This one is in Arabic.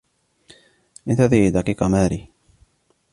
إنتظري دقيقة, ماري!